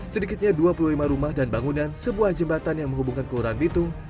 sedikitnya dua puluh lima rumah dan bangunan sebuah jembatan yang menghubungkan kelurahan bitung